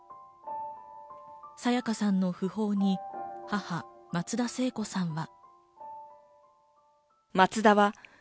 沙也加さんの訃報に、母・松田聖子さんは。